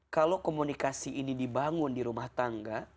kalau komunikasi ini dibangun di rumah tangga